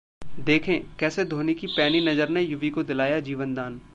देखें- कैसे धोनी की पैनी नजर ने युवी को दिलाया जीवनदान